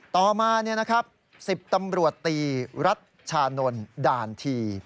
ต่อมาเนี่ยนะครับ๑๐ตำรวจตีรัชฌานนท์ด่านที